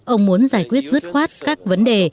ông muốn giải quyết dứt khoát các vấn đề